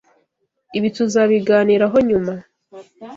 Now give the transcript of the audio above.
Ibi tuzabiganiraho nyuma.